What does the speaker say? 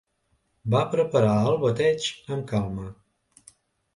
Va preparar el bateig am calma